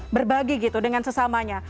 berbagi gitu dengan sesamanya